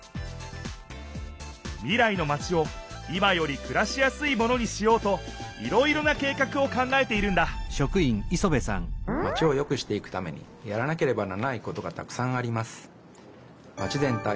未来のマチを今よりくらしやすいものにしようといろいろな計画を考えているんだマチをよくしていくためにやらなければならないことがたくさんあります。